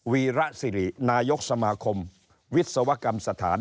วีระสิรินายกสมาคมวิศวกรรมสถาน